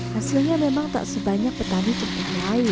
hasilnya memang tak sebanyak petani cemkeh itu